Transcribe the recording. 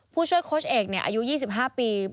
ผู้ช่วยโค้ชเอกอายุ๒๕ปี